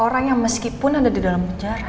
orang yang meskipun ada di dalam penjara